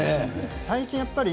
最近やっぱり、